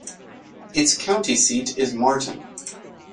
Its county seat is Martin.